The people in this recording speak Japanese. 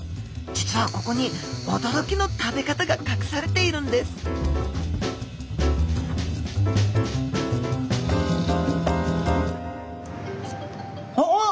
実はここに驚きの食べ方がかくされているんです・おおっ！